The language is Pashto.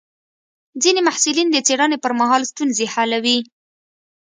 ځینې محصلین د څېړنې پر مهال ستونزې حلوي.